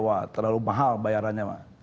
wah terlalu mahal bayarannya